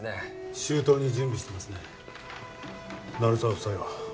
周到に準備してますね鳴沢夫妻は？